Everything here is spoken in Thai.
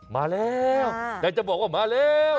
มาแล้วอยากจะบอกว่ามาแล้ว